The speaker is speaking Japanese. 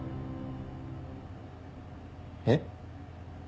えっ？